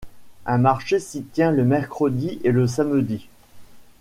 Un marché s'y tient le mercredi et le samedi.